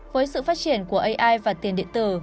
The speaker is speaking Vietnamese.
với sự phát triển của ai và tiền điện tử